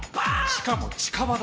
しかも近場だ。